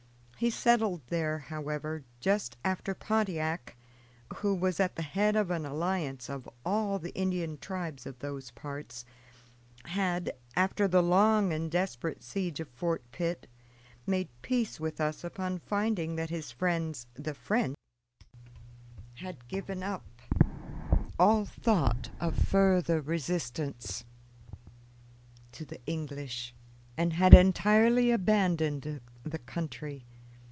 He settled there, however, just after Pontiac, who was at the head of an alliance of all the Indian tribes of those parts, had, after the long and desperate siege of Fort Pitt, made peace with us upon finding that his friends, the French, had given up all thought of further resistance to the English, and had entirely abandoned the country.